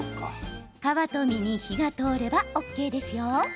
皮と身に火が通ればＯＫですよ。